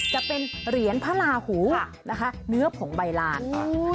จะเป็นเหรียญพระหูเนื้อผงใบราช